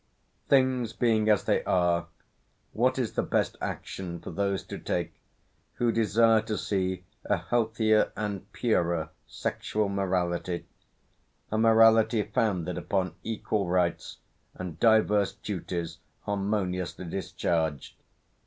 Things being as they are, what is the best action for those to take who desire to see a healthier and purer sexual morality a morality founded upon equal rights and diverse duties harmoniously discharged?